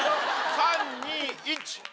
３・２・１。